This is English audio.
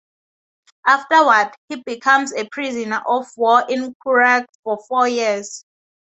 Afterward, he becomes a prisoner of war in Qurac for four years.